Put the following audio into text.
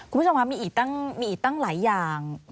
คุณผู้ชมครับมีอีกตั้งหลายอย่าง